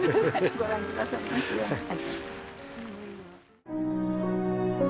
ご覧くださいますように。